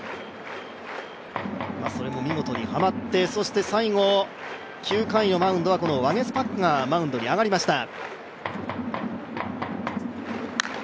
それも見事にはまってそして最後、９回のマウンドはワゲスパックがマウンドに上がりました。